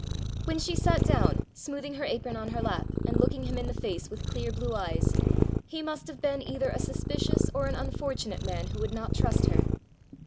When she sat down, smoothing her apron on her lap, and looking him in the face with clear blue eyes, he must have been either a suspicious or an unfortunate man who would not trust her.